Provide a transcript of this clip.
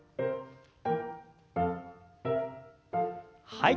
はい。